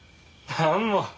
何も。